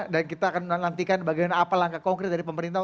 dan kita akan menantikan bagaimana apa langkah konkret dari pemerintah